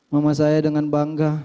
mama saya dengan bangga